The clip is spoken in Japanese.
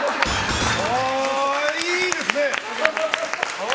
ああ、いいですね！